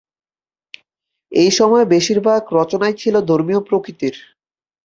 এই সময়ে বেশির ভাগ রচনা ছিল ধর্মীয় প্রকৃতির।